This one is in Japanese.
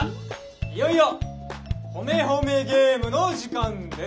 いよいよ「ほめほめゲーム」の時間です。